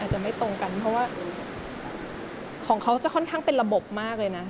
จะไม่ตรงกันเพราะว่าของเขาจะค่อนข้างเป็นระบบมากเลยนะ